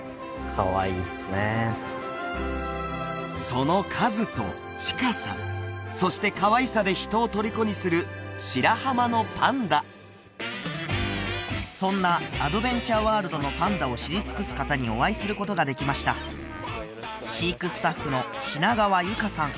その数と近さそしてかわいさで人をとりこにする白浜のパンダそんなアドベンチャーワールドのパンダを知り尽くす方にお会いすることができました飼育スタッフの品川友花さん